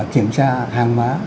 kiểm tra hàng má